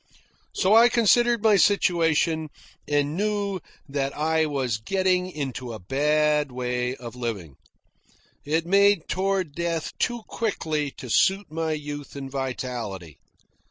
So I considered my situation and knew that I was getting into a bad way of living. It made toward death too quickly to suit my youth and vitality.